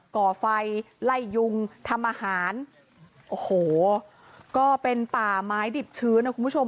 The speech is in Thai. ก่อไฟไล่ยุงทำอาหารโอ้โหก็เป็นป่าไม้ดิบชื้นนะคุณผู้ชม